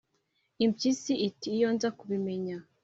Impyisi iti: "Iyo nza kubimenya!"